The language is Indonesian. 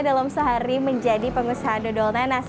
dalam sehari menjadi pengusaha dodol nanas